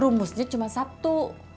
rumusnya cuma satu